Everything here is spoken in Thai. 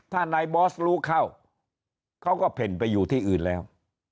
ถ้านายบอสรู้เข้าเขาก็เพ่นไปอยู่ที่อื่นแล้ว